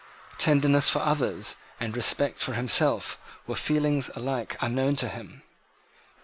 Tenderness for others and respect for himself were feelings alike unknown to him.